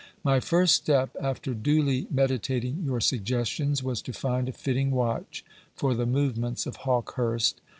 My first step, after duly meditating your suggestions, was to find a fitting watch for the movements of Hawkehurst.